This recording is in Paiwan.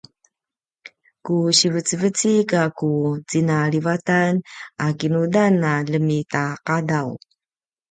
ku sivecivecik a ku cinalivatan a kinudan a ljemitaqadaw